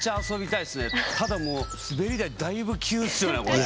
ただもうすべり台だいぶ急っすよねこれ。